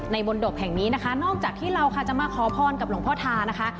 บนดบแห่งนี้นะคะนอกจากที่เราค่ะจะมาขอพรกับหลวงพ่อทานะคะ